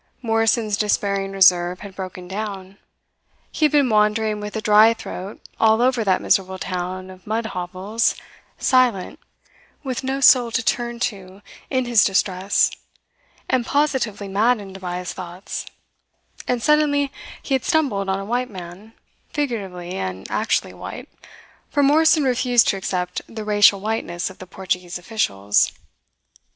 Morrison's despairing reserve had broken down. He had been wandering with a dry throat all over that miserable town of mud hovels, silent, with no soul to turn to in his distress, and positively maddened by his thoughts; and suddenly he had stumbled on a white man, figuratively and actually white for Morrison refused to accept the racial whiteness of the Portuguese officials.